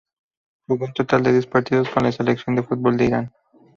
Jugó un total de diez partidos con la selección de fútbol de Irán.